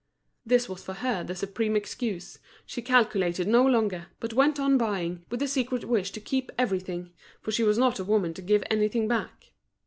This was for her the supreme excuse, she calculated no longer, but went on buying, with the secret wish to keep everything, for she was not a woman to give anything back.